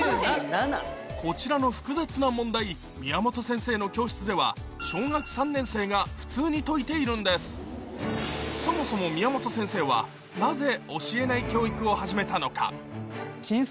こちらの複雑な問題宮本先生の教室では小学３年生が普通に解いているんですそもそも宮本先生は当時。